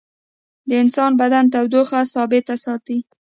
د انسان بدن تودوخه ثابته ساتي